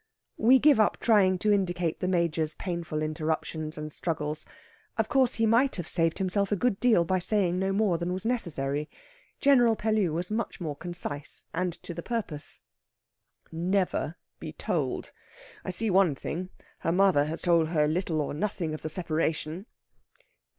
We give up trying to indicate the Major's painful interruptions and struggles. Of course, he might have saved himself a good deal by saying no more than was necessary. General Pellew was much more concise and to the purpose. "Never be told. I see one thing. Her mother has told her little or nothing of the separation."